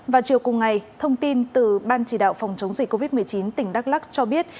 vào chiều cùng ngày thông tin từ ban chỉ đạo phòng chống dịch covid một mươi chín tỉnh đắk lắc cho biết